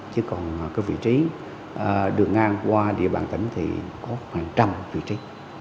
chứ còn cái vị trí đường ngang qua địa bàn tỉnh thì có hàng trăm vị trí